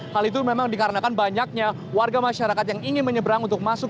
hal itu memang dikarenakan banyaknya warga masyarakat yang ingin menyeberang untuk masuk